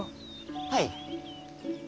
はい？